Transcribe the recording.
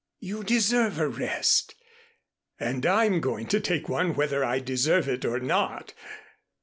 You deserve a rest, and I'm going to take one whether I deserve it or not.